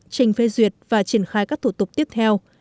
trình phê duyệt và triển khai các thủ tục tiếp theo